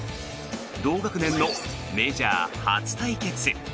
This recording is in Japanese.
同学年のメジャー初対決。